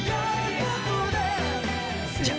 じゃあ。